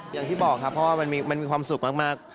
อย่างที่บอกครับเพราะว่ามันมีความสุขมาก